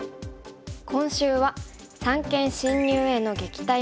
今週は「三間侵入への撃退法」。